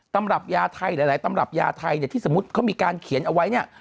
ตำรับยาไทยหลายตำรับยาไทยเนี่ยที่สมมุติเขามีการเขียนเอาไว้เนี่ย